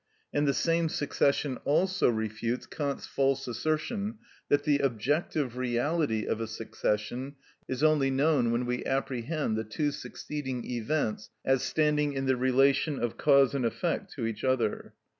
And the same succession also refutes Kant's false assertion that the objective reality of a succession is only known when we apprehend the two succeeding events as standing in the relation of cause and effect to each other.